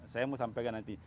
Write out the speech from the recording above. saya mau sampaikan nanti